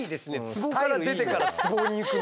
つぼから出てからつぼに行くのが。